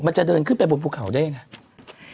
มันจะเดินขึ้นไปบนภูเขาได้ไง